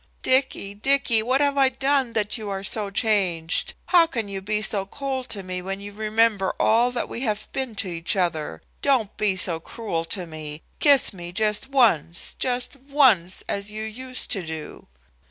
"Dicky! Dicky! what have I done that you are so changed? How can you be so cold to me when you remember all that we have been to each other? Don't be so cruel to me. Kiss me just once, just once, as you used to do."